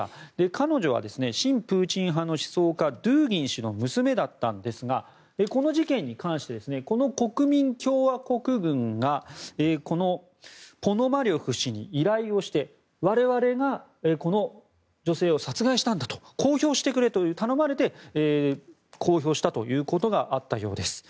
彼女は親プーチン派の思想家ドゥーギン氏の娘だったんですがこの事件に関してこの国民共和国軍がこのポノマリョフ氏に依頼をして我々がこの女性を殺害したんだと公表してくれと頼まれて公表したということがあったようです。